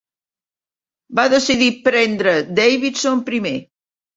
Va decidir prendre Davidson primer.